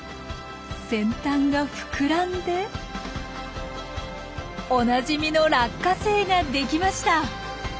先端が膨らんでおなじみの「落花生」ができました！